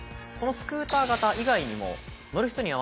このスクーター型以外にも。